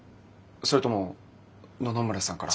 それとも野々村さんから。